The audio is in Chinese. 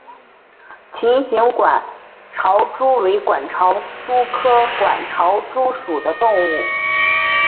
琴形管巢蛛为管巢蛛科管巢蛛属的动物。